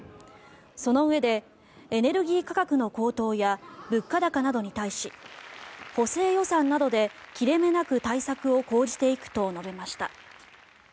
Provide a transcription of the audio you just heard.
そのうえでエネルギー価格の高騰や物価高などに対し補正予算などで切れ目なく対策を講じていくと述べました。